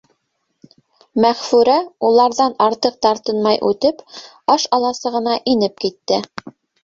Мәғфүрә, уларҙан артыҡ тартынмай үтеп, аш аласығына инеп китте.